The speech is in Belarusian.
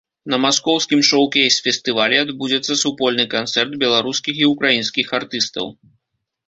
На маскоўскім шоукейс-фестывалі адбудзецца супольны канцэрт беларускіх і ўкраінскіх артыстаў.